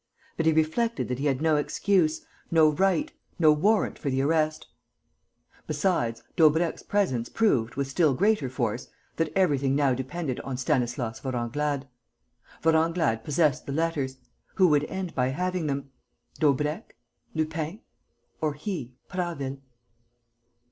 But he reflected that he had no excuse, no right, no warrant for the arrest. Besides, Daubrecq's presence proved, with still greater force, that everything now depended on Stanislas Vorenglade. Vorenglade possessed the letters: who would end by having them? Daubrecq? Lupin? Or he, Prasville?